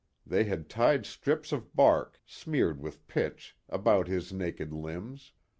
They had tied strips of bark, smeared with pitch, about his naked limbs.